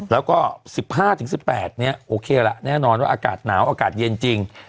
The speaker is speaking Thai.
แล้วก็๑๕๑๘เนี่ยโอเคละแน่นอนว่าอากาศหนาวอากาศเย็นจริง